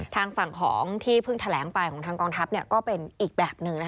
ทางฝั่งของที่เพิ่งแถลงไปของทางกองทัพก็เป็นอีกแบบหนึ่ง